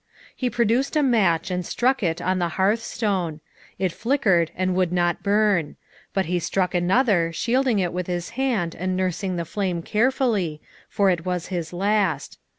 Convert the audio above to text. He produced a match and struck it on the hearth stone ; it flickered and would not burn ; but he struck another, shielding it with his hand and nursing the flame carefully, for it was his last.